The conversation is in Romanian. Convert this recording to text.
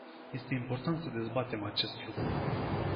Este important să dezbatem acest lucru.